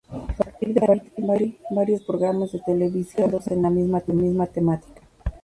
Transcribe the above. A partir de ahí, varios programas de televisión fueron creados con la misma temática.